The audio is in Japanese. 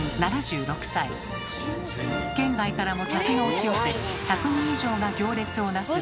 県外からも客が押し寄せ１００人以上が行列をなす